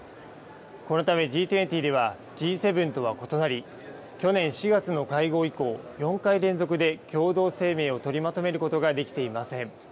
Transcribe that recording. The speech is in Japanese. このためＧ２０では、Ｇ７とは異なり、去年４月の会合以降、４回連続で共同声明を取りまとめることができていません。